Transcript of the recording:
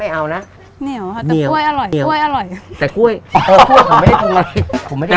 ไม่เอานะเดี๋ยวค่ะ